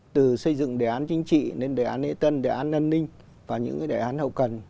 từ xây dựng đề án chính trị đến đề án lễ tân đề án an ninh và những đề án hậu cần